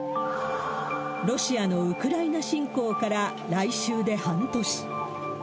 ロシアのウクライナ侵攻から来週で半年。